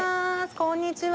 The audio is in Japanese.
こんにちは。